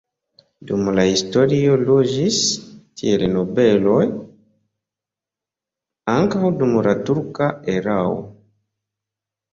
Dum la historio loĝis tie nobeloj, ankaŭ dum la turka erao.